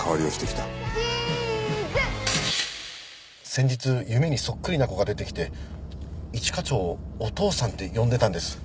先日夢にそっくりな子が出てきて一課長を「お父さん」って呼んでたんです。